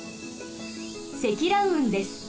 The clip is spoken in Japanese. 積乱雲です。